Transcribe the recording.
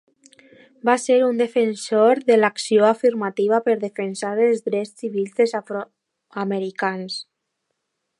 Va ser un defensor de l'acció afirmativa per defensar els drets civils dels afroamericans.